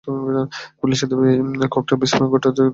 পুলিশের দাবি, ককটেল বিস্ফোরণ ঘটাতে গিয়ে তার দুটি হাত ঝলসে গেছে।